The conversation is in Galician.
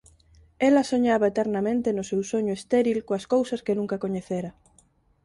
Ela soñaba eternamente no seu soño estéril coas cousas que nunca coñecera.